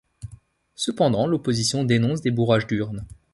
Cependant l'opposition dénonce des bourrages d'urnes.